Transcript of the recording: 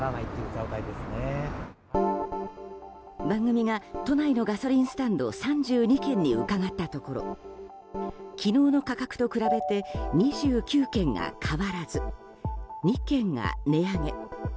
番組が都内のガソリンスタンド３２軒に伺ったところ昨日の価格と比べて２９軒が変わらず２軒が値上げ。